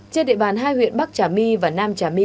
trên địa bàn hai huyện bắc trà my và nam trà my